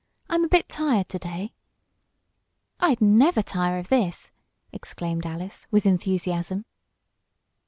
"I'm a bit tired to day." "I'd never tire of this!" exclaimed Alice, with enthusiasm.